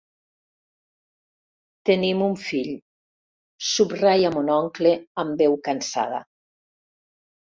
Tenim un fill, subratlla mon oncle amb veu cansada.